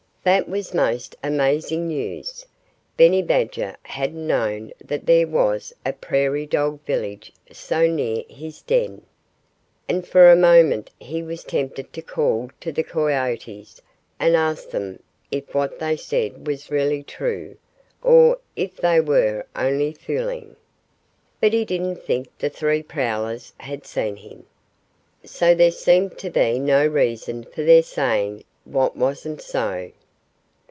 That was most amazing news. Benny Badger hadn't known that there was a prairie dog village so near his den. And for a moment he was tempted to call to the coyotes and ask them if what they said was really true or if they were only fooling. But he didn't think the three prowlers had seen him. So there seemed to be no reason for their saying what wasn't so.